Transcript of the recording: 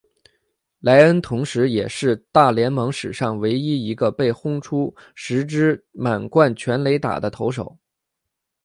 莱恩同时也是大联盟史上唯一一个被轰出十支满贯全垒打的投手。